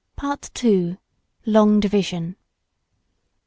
PART II.—LONG DIVISION.